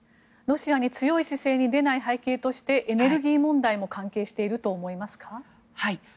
ロシアに強い姿勢に出ない背景としてエネルギー問題も関係していると思いますか？